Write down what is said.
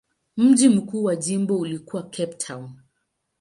Mji mkuu wa jimbo ulikuwa Cape Town.